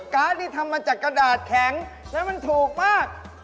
การ์ดนี่ทำมาจากกระดาษแข็งและมันถูกมาก